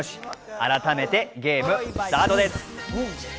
改めてゲームスタートです。